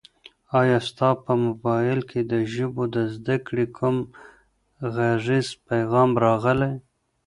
ایا ستا په موبایل کي د ژبو د زده کړې کوم غږیز پیغام راغلی؟